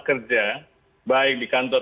kerja baik di kantor